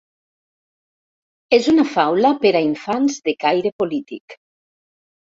És una faula per a infants de caire polític.